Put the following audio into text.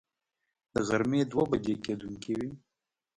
د غرمې دوه بجې کېدونکې وې.